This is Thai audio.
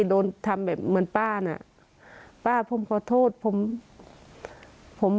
โดนทำแบบเหมือนป้าน่ะป้าผมขอโทษผมผม